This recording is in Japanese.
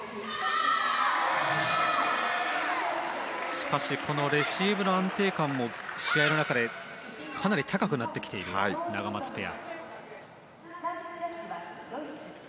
しかしこのレシーブの安定感も試合の中でかなり高くなってきているナガマツペア。